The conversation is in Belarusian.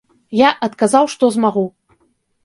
Я адказаў, што змагу.